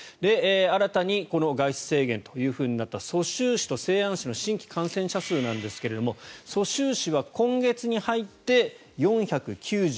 新たに外出制限となった蘇州市と西安市の新規感染者なんですが蘇州市は今月に入って４９１人。